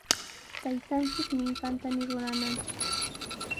Taytanchik ninqantami rurananchik.